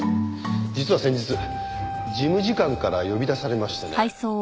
実は先日事務次官から呼び出されましてね。